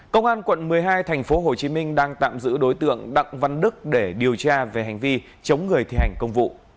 công an quận một mươi hai tp hcm đang tạm giữ đối tượng đặng văn đức để điều tra về hành vi chống người thi hành công vụ